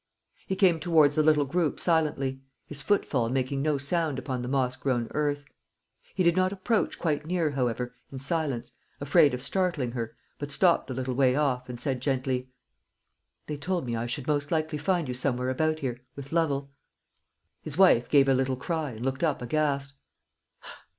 He came towards the little group silently, his footfall making no sound upon the moss grown earth. He did not approach quite near, however, in silence, afraid of startling her, but stopped a little way off, and said gently, "They told me I should most likely find you somewhere about here, with Lovel." His wife gave a little cry, and looked up aghast.